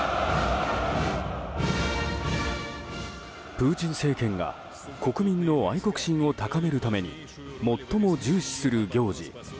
プーチン政権が国民の愛国心を高めるために最も重視する行事。